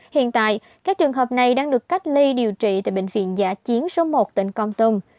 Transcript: hiện tại các trường hợp này đang được cách ly điều trị tại bệnh viện giả chiến số một tỉnh con tum